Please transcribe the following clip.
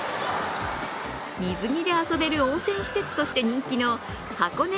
水着で遊べる温泉施設として人気の箱根